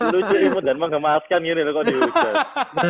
lucu nih jangan mah ngemaskan gini loh kok dihujat